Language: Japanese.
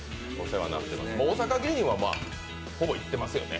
大阪芸人は、ほぼ行ってますよね。